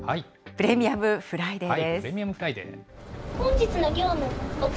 プレミアムフライデー。